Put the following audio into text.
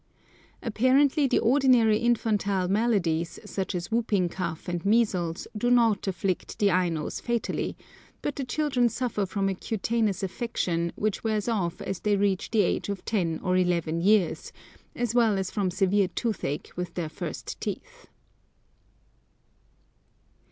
Apparently the ordinary infantile maladies, such as whooping cough and measles, do not afflict the Ainos fatally; but the children suffer from a cutaneous affection, which wears off as they reach the age of ten or eleven years, as well as from severe toothache with their first teeth.